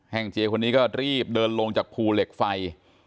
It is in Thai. งเจียคนนี้ก็รีบเดินลงจากภูเหล็กไฟ